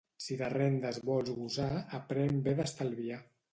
Si de rendes vols «gosar», aprèn bé d'estalviar.